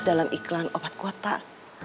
dalam iklan obat kuat pak